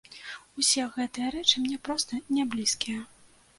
Усе гэтыя рэчы мне проста не блізкія.